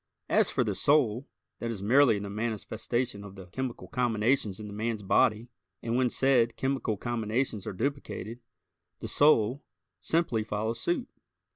As for the "soul," that is merely the manifestation of the chemical combinations in the man's body, and when said chemical combinations are duplicated, the "soul" simply follows suit.